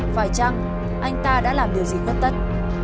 phải chăng anh ta đã làm điều gì khuất tất